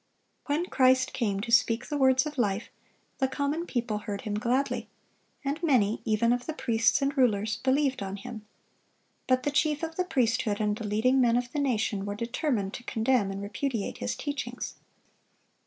When Christ came to speak the words of life, the common people heard Him gladly; and many, even of the priests and rulers, believed on Him. But the chief of the priesthood and the leading men of the nation were determined to condemn and repudiate His teachings.